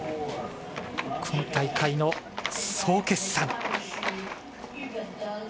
今大会の総決算。